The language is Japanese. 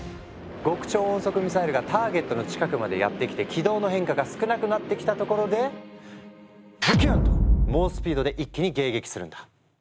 極超音速ミサイルがターゲットの近くまでやって来て軌道の変化が少なくなってきたところでズキューン！と猛スピードで一気に迎撃するんだ。